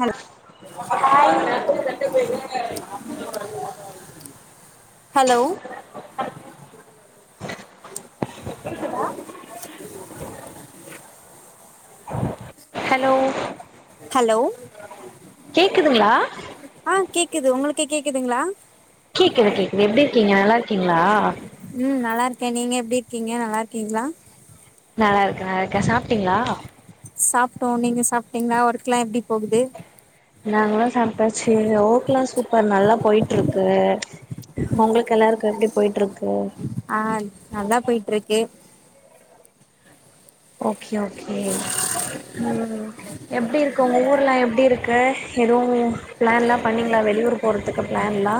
ஹல் hello hello hello கேக்குதுங்ளா ஆ கேக்குது உங்களுக்கு கேக்குதுங்ளா கேக்குது கேக்குது எப்டிருக்கீங்க நல்லாருக்கீங்ளா ம் நல்லாருக்கே நீங்க எப்டி இருக்கீங்க நல்லா இருக்கீங்ளா நல்லாருக்க நல்லாருக்க சாப்டீங்ளா சாப்டோ நீங்க சாப்டீங்ளா ஒர்க்லா எப்டி போகுது நாங்கல்லா சாப்டாச்சு ஓக்லா சூப்பர் நல்லா போயிட்டுருக்கு உங்களுக்கு எல்லார்கு எப்டி போயிட்டிருக்கு ஆ நல்லா போயிட்டிருக்கு ஓகே ஓகே ம் எப்டி இருக்கு உங்க ஊர்லா எப்டி இருக்கு எதுவு பிளான்லாம் பண்ணீங்ளா வெளியூர் போறதுக்கு பிளான்லா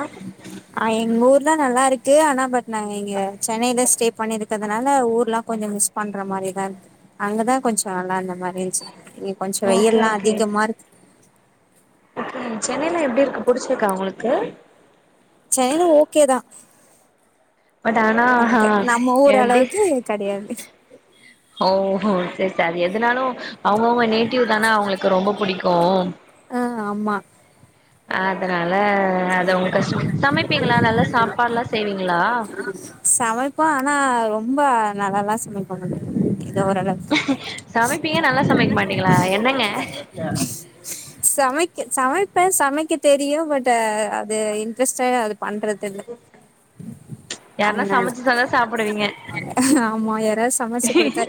ஆ எங்க ஊர்தா நல்லாருக்கு ஆனா பட் நாங்க இங்க சென்னையில ஸ்டே பண்ணிருக்கறதுனால ஊர்லா கொஞ்சோ மிஸ் பண்ற மாரிதா இருக்கு அங்கதா கொஞ்சோ நல்லா இருந்த மாரி இருந்சி ஓகே ஓகே ஓகே சென்னையிலா எப்டி இருக்கு புடிச்சிருக்கா உங்களுக்கு சென்னைல ஓகே தா பட் ஆனா ஆ நமக்கு நம்ம ஊர் எப்டி அளவுக்கு கெடையாது ஓ செரி சாரி அது எதுனாலு அவுங்கவுங்க நேட்டிவ் தானே அவுங்களுக்கு ரொம்ப புடிக்கு ஆ ஆமா அதனால அதது உங்களுக் கஷ் சமைப்பீங்ளா நல்லா சாப்பாடுல்லா செய்வீங்ளா சமைப்போ ஆனா ரொம்ப நல்லால்லா சமைக்க மாட்டோ ஏதோ ஓரளவு சமைப்பீங்க நல்லா சமைக்க மாட்டீங்ளா என்னங்க சமைக்க சமைப்பே சமைக்க தெரியு பட் அது இன்ட்ரஸ்டா அது பண்றதில்ல யாருன்னா அதுனால சமைச்சு தந்தா சாப்பிடுவீங்க ஆமா யாராது சமைச்சி குடுத்தா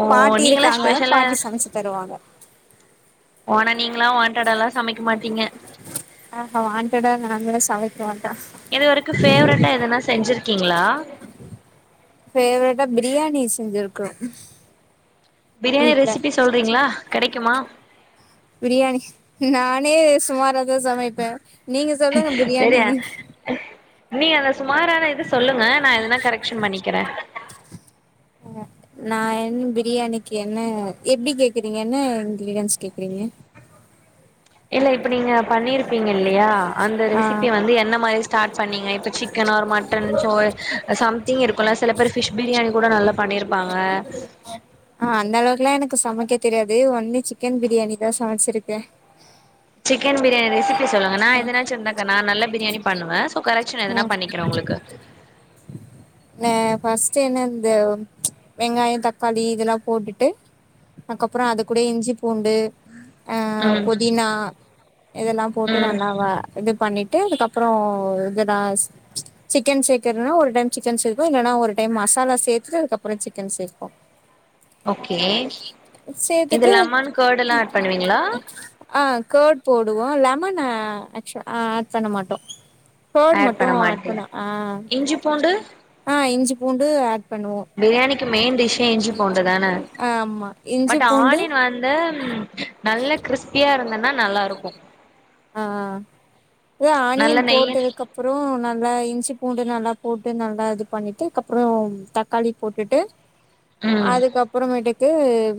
ஓ பாட்டி நீங்களா இருக்காங்க பாட்டி சமைச்சு தருவாங்க ஓனா நீங்களா வாண்டடாலா சமைக்க மாட்டீங்க ஆ ஆ வாண்டடா நானா சாமைக்க மாட்டே இதுவரைக்கு ஃபேவரெட்டா எதனா செஞ்சிருக்கீங்ளா ஃபேவரெட்டா பிரியாணி செஞ்சிருக்கோ பிரியாணி வீட்ல ரெசிபி சொல்றீங்ளா கெடைக்குமா பிரியாணி நானே சுமாரா தா சமைப்பே நீங்க சொல்லுங்க பிரியாணிக்கு நீ அந்த சுமாரான இது சொல்லுங்க நா எதுனா கரெக்ஷன் பண்ணிக்கிற நா என் பிரியாணிக்கு என்ன எப்டி கேக்குறீங்க என்ன இன்க்ரீடியன்ஸ் கேக்குறீங்க இல்ல இப்ப நீங்க பண்ணிருப்பீங்க இல்லையா அந்த ஆ ரெசிபி வந்து என்ன மாரி ஸ்டார்ட் பண்ணீங்க இப்ப chicken or mutton so something இருக்குல்ல சில பேர் ஃபிஷ் பிரியாணி கூட நல்லாப் பண்ணிருப்பாங்க ஆ அந்த அளவுக்லா எனக்கு சமைக்க தெரியாது ஒன்லி சிக்கன் பிரியாணிதா சமச்ருக்க சிக்கன் பிரியாணி ரெசிபி சொல்லுங்க நா எதுனாச்ச இருந்தாக்கா நா நல்ல பிரியாணி ப பண்ணுவ சோ கரெக்ஷன் ஆ எதனா பண்ணிக்கிற உங்ளுக்கு ந ஃபர்ஸ்ட் என்ன இந்த வெங்காயொ தக்காளி இதெல்லா போட்டுட்டு அதுக்கப்றொ அது கூட இஞ்சி பூண்டு ஆ ம் பொதினா இதெல்லா போட்டு ம் நல்லாவ இது பண்ணிட்டு அதுக்கப்புறொ இதுனா சிக்கன் சேக்கர்த்னா ஒரு டைம் சிக்கன் சேப்போ இல்லனா ஒரு டைம் மசாலா சேத்துட்டு அதுக்கப்புறொ சிக்கன் சேப்போ ஓகே இது சேத்துட்டு லெமன் கர்டுல்லா ஆட் பண்ணுவீங்களா ஆ ஃகட் போடுவோ லெமன் ஆக்சுவ் ஆட் பண்ண மாட்டோ ஃகட் மட்டும் அஆட் பண்ணு ஆ இஞ்சிபூண்டு ஆ இஞ்சு பூண்டு ஆட் பண்ணுவோ பிரியாணிக்கு மெயின் டிஷ்ஷே இஞ்சி பூண்டு தான ஆ ஆமா இஞ்சி பூண்டு வேன் நல்ல க்றிஸ்பியா இருந்தேன்னா நல்லா இருக்கு ஆ ஏ நல்ல ஆனியன் நெய் போட்டதுக்கப் அப்றொ நல்லா இஞ்சி பூண்டு நல்லா போட்டு நல்லா இது பண்ணிட்டு அக்கப்புறம் தக்காளி போட்டுட்டு ம் அதுக்கப் அப்புறமேட்டுக்கு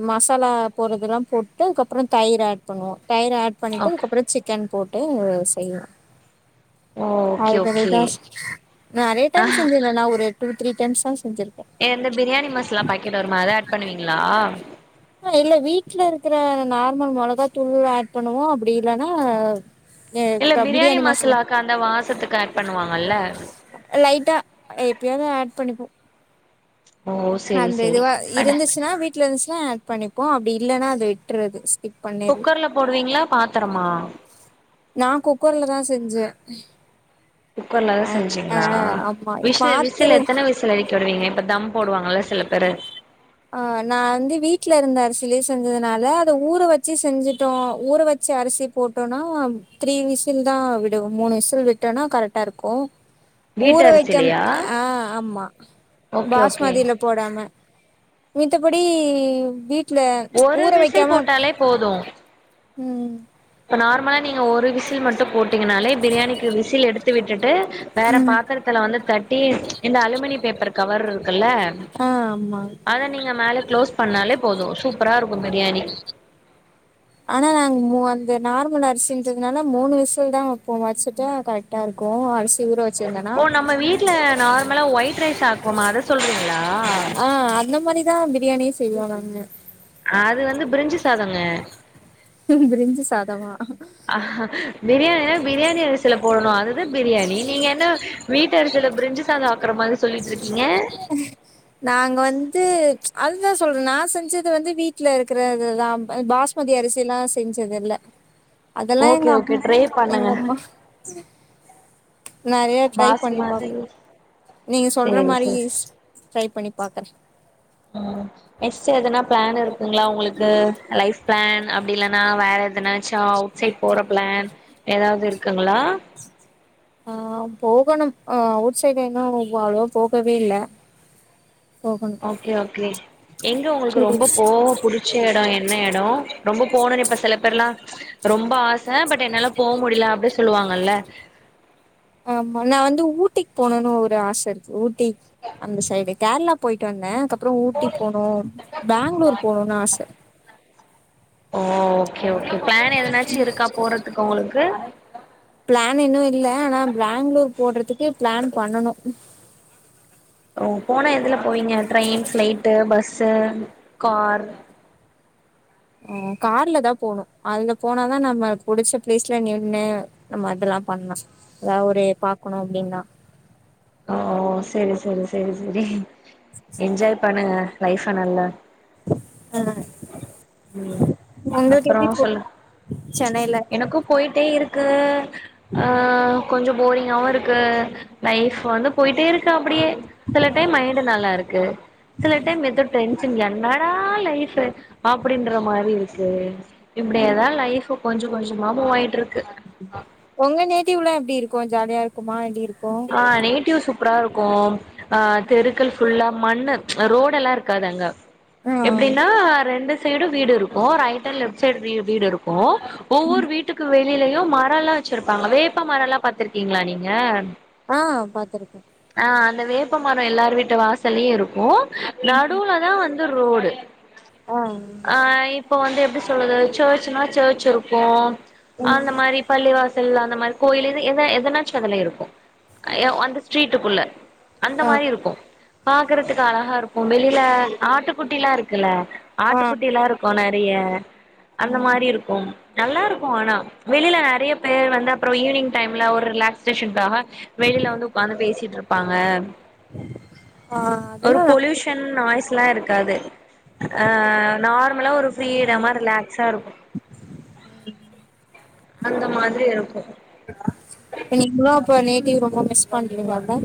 மசாலா போடுறதெல்லா போட்டு அதுக்கப்புறம் தயிர் ஆட் பண்ணுவோ தயிர் ஆட் பண்ணிட்டு ஓகே அதுக்கப்புறொ சிக்கன் போட்டு செய்யலா ஓ ஓகே ஓகே அதுதா சிஸ் நறைய ஆ டைம் செஞ்சல நா ஒரு டூ த்ரீ டைம்ஸ்தா செஞ்சிரு எந்த பிரியாணி மசாலா பாக்கெட் வருமே அத ஆட் பண்ணுவீங்ளா ஆ இல்ல வீட்ல இருக்ற நார்மல் மொளகா தூள் ஆட் பண்ணுவோ அப்டி இல்லனா ஏ இல்ல க பிரியாணி மசாலா மசாலாக்கு அந்த வாசத்துக்கு ஆட் பண்ணுவாங்கல்ல லைட்டா எப்பயாது ஆட் பண்ணிப்போ ஓ சேரி அந்த சேரி இதுவா அட இருந்துச்சுனா வீட்ல இருந்துச்சுனா ஆட் பண்ணிப்போ அப்டி இல்லனா அது விட்டுறது ஸ்கிப் பண்ணிறது குக்கர்ல போடுவீங்ளா பாத்தரமா நா குக்கர்லதா செஞ்சே குக்கர்லதா ஆ ஆ செஞ்சீங்ளா ஆமா இ விசில் விசில் எத்தன பாத்துறது விசில் விசில் அடிக்க விடுவீங்க இப்ப ஃதம் போடுவாங்கல சில பேரு ஆ நா வந்து வீட்ல இருந்த அரிசிலே செஞ்சதுனால அத ஊற வச்சு செஞ்சுட்டோ ஊற வச்ச அரிசி போட்டோனா த்ரீ விசில்தா விடுவொ மூணு விசில் விட்டோனா கரெக்டா இருக்கு வீட்டு ஊற வெக்காம் அரிசிலயா ஆ ஆமா ஓகே ஓகே பாஸ்மதியில போடாம மித்தபடி வீட்ல ஒரு ஊற விசில் வெக்காம போட்டாலே போது ம் இப்ப நார்மலா நீங்க ஒரு விசில் மட்டு போட்டீங்கனாலே பிரியாணிக்கு விசில் எடுத்து விட்டுட்டு வேற பாத்திரத்துல வந்து தட்டி ம்ச் இந்த அலுமினிய பேப்பர் கவர்ருக்குல்ல ஆ ஆமா அத நீங்க மேல க்ளோஸ் பண்ணாலே போது சூப்பரா இருக்கு பிரியாணி ஆனா நாங்க மு அந்த நார்மல் அரிசின்றதுனால மூணு விசில் தா வப்போ வச்சுட்டா கரெக்டா இருக்கு அருஸ் சி ஊறவச்சிருந்தனா ஓ நம்ம வீட்ல நார்மலா ஒயிட் ரைஸ் ஆக்குவோமா அத சொல்றீங்களா ஆ அந்த மாரிதா பிரியாணியே செய்வோ நாங்க அது வந்து பிரிஞ்சு சாதோங்க பிரிஞ்சு சாதம்மா ஆஹ பிரியாணினா பிரியாணி அரிசில போடணு அதுதா பிரியாணி நீங்க என்ன வீட்டரிசில பிரிஞ்சு சாதம் ஆக்குற மாரி சொல்லிட்ருக் நாங்க வந்து ம்ச் அதுதா சொல்றே நா செஞ்சது வந்து வீட்டுல இருக்கிறது தா பாஸ் மதி அரிசி எல்லா செஞ்சது இல்ல அதெல்லா ஓகே எங்க ஓகே அம் ட்ரை எங்க பண்ணுங்க அம்மா நெறைய ட்ரை பண்ணி பாஸ்மதி பாக்கு நீங்க சொல்ற சேரி மாரி சேரி ஸ் ட்ரை பண்ணி பாக்குறே ம் நெக்ஸ்ட்டு எதுனா பிளான் இருக்குங்களா உங்களுக்கு லைப் பிளான் அப்டி இல்னா வேற எது எதனாச்சா அவுட் சைட் போற பிளான் ஏதாவது இருக்குங்களா ஆ போகணு அவுட் சைட் எங்கனா ஒவ் அவ்ளோவா போகவே இல்ல போகணு ஓகே ஓகே எங்க உங்களுக்கு ரொம்ப போவ புடிச் ச்ச எடோ என்ன எடோ ரொம்ப போணுன்னு இப்ப சில பேர்லா ரொம்ப ஆச பட் என்னால போ முடில அப்டி சொல்லுவாங்கல்ல ஆமா நா வந்து ஊட்டிக் போணுன்னு ஒரு ஆச இருக்கு ஊட்டி அந்த சைடு கேர்ளாப் போய்ட்டு வந்தே அக்கப்பறோ ஊட்டி போனு பேங்ளூர் போணூனு ஆச ஓ ஓகே ஓகே பிளான் எதனாச்சி இருக்கா போறதுக்கு உங்களுக்கு பிளான் இன்னு இல்ல ஆனா பிளேங்ளூர் போட்றதுக்கு பிளான் பண்ணனு ஓ போன எதுல போவிங்க ட்ரெயின் ஃபிளைட்டு பஸ்ஸு கார் ம் கார்ல தா போணு அதுல போனாதா நம்ம புடிச்ச பிளேஸ்ல நின்னு நம்ம அதெல்லா பண்லா அவுரு பாக்குணு அப்டீன்னா ஓ செரி செரி செரி செரி என்ஜாய் பண்ணுங்க லைஃப நல்லா அ உங்ளுக்கு அப்றோ எப்டி போ சென்னைல போய்ட்டே இருக்கு ஆ கொஞ்சோ போரிங்காவுருக்கு லைஃப் வந்து போயிட்டே இருக்கு அப்படியே சில டைம் மைண்டு நல்லாருக்கு சில டைம் எதோ டென்ஷன் என்னடா லைஃப்பு ஆப்டின்ற மாரி இருக்கு இப்டேதா லைஃப்பு கொஞ்சோ கொஞ்சமா மூ ஆய்ட்ருக்கு உங்க நேட்டிவ்லா எப்டி இருக்கு ஜாலியா இருக்குமா எப்டி இருக்கு ஆ நேட்டிவ் சூப்பராருக்கு ஆ தெருக்கள் ஃபுல்லா மண்ணு ம்ச் ரோடல்லா இருக்காது அங்க ஆ எப்டின்னா ரெண்டு சைடு வீடு இருக்கு ரைட் அண் லெஃப்ட் சைட் வீ வீடிருக்கு ஒவ்வொரு வீட்டுக்கு வெளிலயு மரோல்லா வெச்சிருப்பாங்க வேப்ப மரோல்லா பாத்திருக்கீங்ளா நீங்க ஆ பாத்திருக்கே ஆ அந்த வேப்பமரோ எல்லார் வீட்டு வாசல்யு இருக்கு நடுவ்லதா வந் து ரோடு ஆ அ இப் இப்ப வந்து எப்டி சொல்றது ஸேர்ச்சுனா ஸேர்ச்சிருக்கு அந்த மாரி பள்ளிவாசல் அந்த மார் கோயில் இது எத எதனாச்சு அதல இருக்கு எ உ அந்த ஸ்ட்ரீட்டுக்குள்ள அந்த ஆ மாரி இருக்கு பாக்குறதுக்கு அழகா இருக்கு வெளில ஆட்டுக்குட்டில்லா இருக்குல்ல ஆ ஆட்டுக்குட்டில்லா இருக் க்கு நெறைய அந்த ம். மாரி இருக்கு நல்லா இருக்கு ஆனா வெளில நெறைய பேர் வந்து அப்றோ ஈவ்னிங் டைம்ல ஒரு ரிலாக்ஸேஷன்க்காக வெளில வந்து உக்காந்து பேசிட்ருப்பாங்க ஆ ஒரு அதெல்லா பொல்யூஷ் ஷன் நாய்ஸ்ல்லா இருக்காது அ நார்மலா ஒரு ஃப்ரீடமா ரிலாக்ஸாருக்கு உ அந்த மாதிரி இருக்கு நீங்ளு அப்ப நேட்டிவ் ரொம்ப மிஸ் பண்றீங்ள அப்போ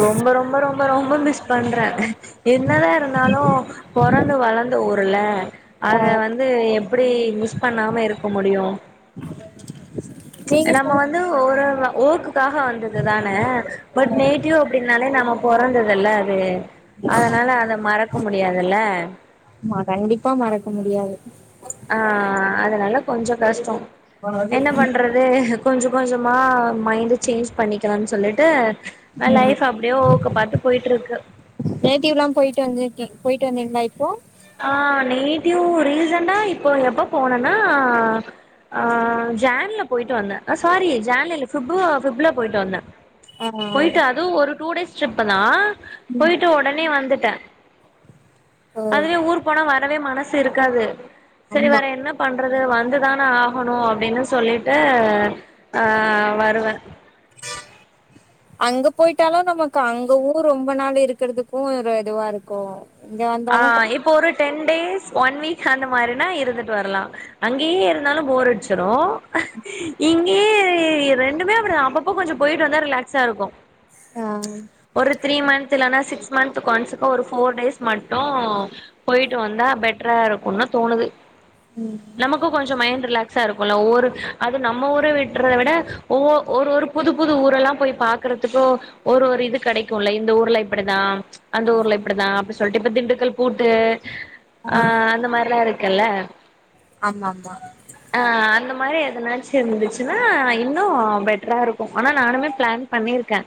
ரொம்ப ரொம்ப ரொம்ப ரொம்ப மிஸ் பண்றே என்னதா இருந்தாலு பொறந்து வளந்த ஊருல ஆ அத வந்து எப்டி மிஸ் பண்ணாம இருக்க முடியு நீங்க நம்ம சொல் வந்து ஒரு ல்ல ஓர்க்குக்காக வந்தது தான பட் ஆமா நேட்டிவ் அப்டின்னாலே நம்ம பொறந்ததில்ல அது அதனால அத மறக்க முடியாதுல்ல ஆமா கண்டிப்பா மறக்க முடியாது அ அதனால கொஞ்சொ கஷ்டொ என்ன பண்றது கொஞ்சொ கொஞ்சமா மைண்ட் சேஞ்ச் பண்ணிக்கலான் சொல்லிட்டு அ ம் லைஃப் அப்டே ஓர்க்க பாத்து பொய்ட்டுருக்கு நேட்டீவ்ல்லா பொய்ட்டு வந்திர்க் பொய்ட்டு வந்தீங்ளா இப்போ அ நேட்டிவ் ரீசனா எப்பொ எப்பொ போனனா ஆ ஜேன்ல பொய்ட்டு வந்த அ சாரி ஜேன்ல இல்ல ஃபிப்பு ஃபிப்ல பொய்ட்டு வந்த ஆ பொய்ட்டு அது ஒரு டூ டேஸ் ட்ரிப்புதா பொய்ட்டு ஒடனே வந்துட்டே ஓ அதுவே ஊர் போனா வரவே மனசு இருக்காது சரி ஆமா வர என்னப் பண்றது வந்துதான ஆகணு அப்டீனு சொல்லிட்டு அ வருவ அங்க பொய்ட்டாலு நமக்கு அங்கவூ ரொம்ப நாள் இருக்கற்துக்கு ஒரு இதுவாருக்கு அ இப்போ ஒரு டென் டேஸ் ஒன் வீக் அந்த மாரினா இருந்துட்டு வரலா அங்கயே இருந்தாலு போர் அடிச்சிரு இங்கயே ரெண்டுமே அப்டிதா அப்ப பப்ப கொஞ்சோ பொய்ட்டு வந்தா ரிலாக்ஸா இருக்கு ஆ ஒரு த்ரீ மந்த் இல்லன்னா சிக்ஸ் மந்த் கொன்ஸ்க்கு ஒரு ஃபோர் டேஸ் மட்டு பொய்ட்டு வந்தா பெட்ரா இருக்குனு தோணுது ம் நமக்கு கொஞ்சோ மைண்ட் ரிலாக்ஸா இருக்குல்ல ஒவ்வொரு அது நம்ம ஊரு விட்டுறத விட ஒவ்வொ ஒரு ஒரு புது புது ஊரெல்லா போய் பாக்குறதுக்கு ஒரு ஒரு இதுக் கிடைக்குல இந்த ஊர்ல இப்படிதா அந்த ஊர்ல இப்படிதா அப்டி சொல்லிட்டு இப்ப திண்டுக்கல் பூட்டு அ அந்த மாறில்லா இருக்குல்ல ஆமா ஆமா அ அந்த மாரி எதனாச்சு இருந்துச்சுன்னா இன்னு பெட்டராருக்கு ஆனா நானுமே பிளான் பண்ணிருக்கே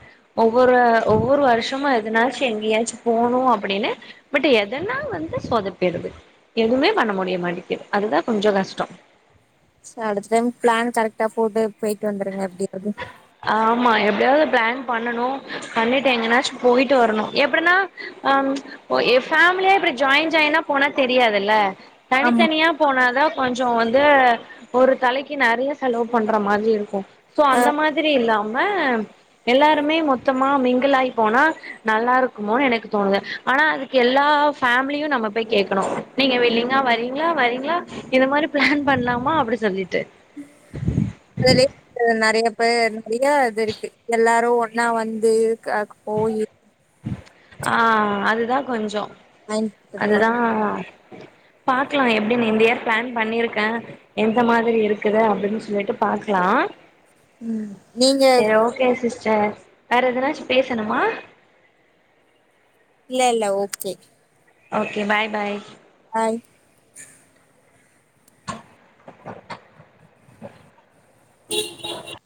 ஒவ்வொரு ஒவ்வொரு வருஷமு எதுனாச்சு எங்கயாச்சு போணு அப்டின்னு பட் எதனா வந்து சோதப்பிடுது எதுவுமே பண்ண முடிய மாட்டக்குது அதுதா கொஞ்சோ கஷ்டோ சே அடுத்த டைம் ப்ளான் கரெக்டா போட்டு பொயிட்டு வந்துருங்க எப்படியாவது ஆமா எப்படியாவது பிளான் பண்ணனு பண்ணிட்டு எங்கனாச்சு பொய்ட்டு வரணு எப்டினா அம் ஓ ஆ ஃபேமிலியா இப்பற ஜாயின் ஜாயின்ன போனா தெரியாதுல்ல ஆமா தனித்தனியா போனாதா கொஞ்சோ வந்து ஒரு தலைக்கு நெறய செலவு பண்ற மாதிரி இருக்கு சோ ஆ அந்த மாதிரி இல்லாம எல்லாருமே மொத்தமா மிங்குலாயி போனா நல்லா இருக்குமோனு எனக்கு தோணுது ஆனா அதுக்கு எல்லா ஃபேமிலியு நம்ம போய் கேக்கணு நீங்க வில்லிங்களா வரீங்களா வரீங்களா இந்த மாரி பிளான் பண்லாமா அப்டி சொல்லிட்டு அதுலே அ நெறய பேர் நெறய இது இருக்கு எல்லாரு ஒன்னா வந்து க போயி ஆ அதுதா கொஞ்சோ நைன் தேர்ட்டி. அதுதா பாக்கலா எப்டின்னு இந்த இயர் பிளன் பண்ணிருக்கே எந்த மாதிரி இருக்குது அப்டின் சொல்லிட்டு பாக்கலா நீங்க செரி ஓகே சிஸ்டர் வேற எதனாச்சு பேசணுமா இல்ல இல்ல okay okay bye bye hi [unintelligible]